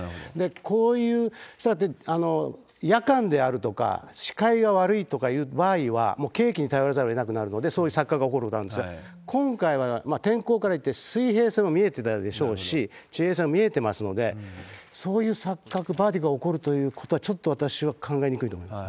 こういう夜間であるとか、視界が悪いとかいう場合は、もう計器に頼らざるを得なくなるので、そういう錯覚が起こるわけなんですが、今回は天候からいって、水平線も見えてたでしょうし、地平線も見えてますので、そういう錯覚、バーティゴ起こることはちょっと私は考えにくいと思います。